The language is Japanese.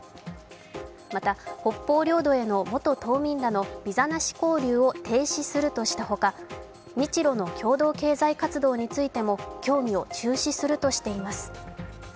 また、北方領土への元島民へのビザなし交流を停止するとした他日ロの共同経済活動についても協議を中止するとしています。